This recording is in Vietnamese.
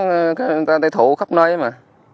người ta đi thụ khắp nơi mà